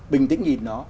bình tĩnh nhìn nó